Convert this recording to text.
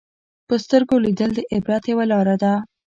په سترګو لیدل د عبرت یوه لاره ده